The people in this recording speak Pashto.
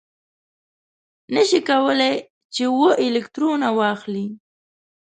نه شي کولای چې اوه الکترونه واخلي.